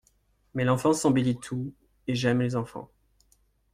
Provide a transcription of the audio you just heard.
Mais l'enfance embellit tout, et j'aime les enfants.